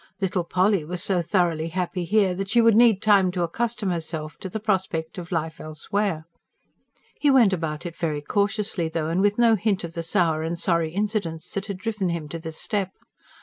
Little Polly was so thoroughly happy here that she would need time to accustom herself to the prospect of life elsewhere. He went about it very cautiously though; and with no hint of the sour and sorry incidents that had driven him to the step.